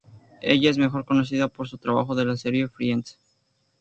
Ella es mejor conocida por su trabajo en la serie "Friends.